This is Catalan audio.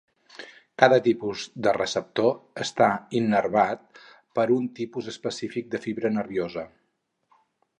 Cada tipus de receptor està innervat per un tipus específic de fibra nerviosa.